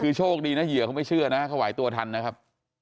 คือโชคดีนะเหยื่อเขาไม่เชื่อนะเขาไหวตัวทันนะครับ